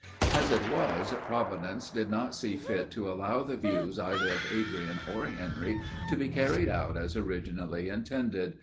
As it was, Providence did not see fit to allow the views either of Adrian or Henry, to be carried out as originally intended.